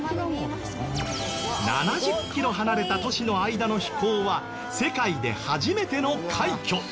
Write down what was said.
７０キロ離れた都市の間の飛行は世界で初めての快挙！